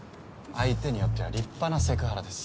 相手によっては立派なセクハラです。